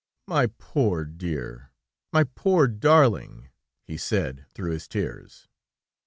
"My poor dear, my poor darling," he said, through his tears.